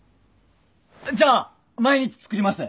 じゃあ毎日作ります。